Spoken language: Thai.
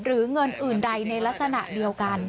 หรือเงินอื่นใดในลักษณะเดียวกัน